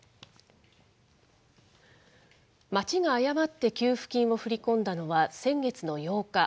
町が誤って給付金を振り込んだのは先月の８日。